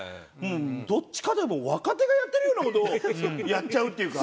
どっちかと言えば若手がやってるような事をやっちゃうっていうか。